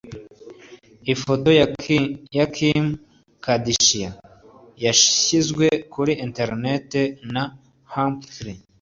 Ifoto ya Kim Kadashian yashyizwe kuri ‘internet’ na Humphries